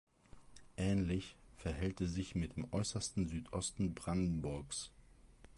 Ähnlich verhält es sich mit dem äußersten Südosten Brandenburgs.